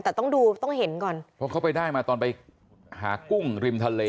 แต่ต้องดูต้องเห็นก่อนเพราะเขาไปได้มาตอนไปหากุ้งริมทะเล